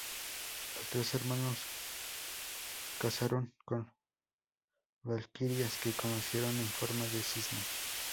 Los tres hermanos casaron con valquirias que conocieron en forma de cisne.